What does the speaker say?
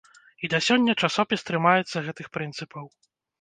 І да сёння часопіс трымаецца гэтых прынцыпаў.